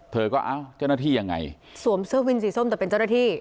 เธอก็เอ้าเจ้าหน้าที่ยังไงสวมเสื้อวินสีส้มแต่เป็นเจ้าหน้าที่